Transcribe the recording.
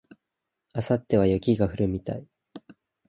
明後日は雪が降るみたい